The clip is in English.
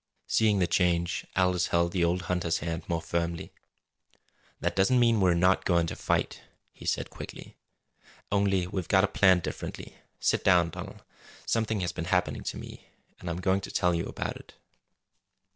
Seeing the change, Aldous held the old hunter's hand more firmly. "That doesn't mean we're not going to fight," he said quickly. "Only we've got to plan differently. Sit down, Donald. Something has been happening to me. And I'm going to tell you about it."